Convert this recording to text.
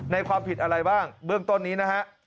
ความผิดอะไรบ้างเบื้องต้นนี้นะฮะ